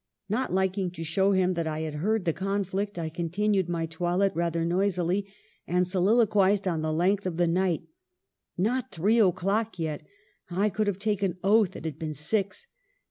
Not lik ing to show him that I had heard the conflict, I continued my toilette rather noisily ... and soliloquized on the length of the night. 'Not three o'clock yet ! I could have taken oath it had been six.